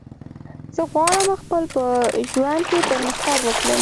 زه غواړم خپل په ژوند کی پرمختګ وکړم